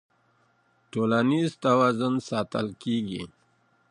ټولنيز توازن ساتل کيږي.